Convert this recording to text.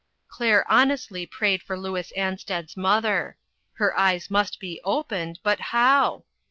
Claire honestly prayed for Louis Ansted's mother. Her eyes must be opened, but how?